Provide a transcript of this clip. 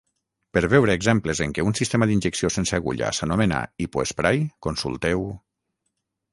Per veure exemples en què un sistema d'injecció sense agulla s'anomena hipoesprai, consulteu: